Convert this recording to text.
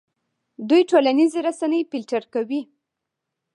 دوی ټولنیزې رسنۍ فلټر کوي.